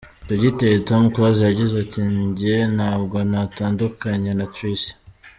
Dogiteri Tom Close yagize ati: “Njye ntabwo natandukanye na Tricia.